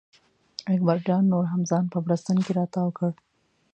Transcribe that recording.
اکبر جان نور هم ځان په بړسټن کې را تاو کړ.